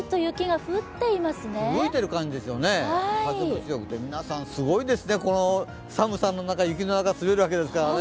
吹雪いている感じですよね、風が強くて皆さんすごいですね、この寒さの中雪の中滑るわけですからね。